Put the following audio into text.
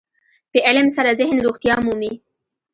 په علم سره ذهن روغتیا مومي.